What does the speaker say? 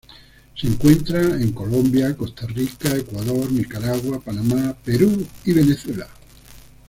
Se encuentra en Colombia, Costa Rica, Ecuador, Nicaragua, Panamá, Perú, y Venezuela.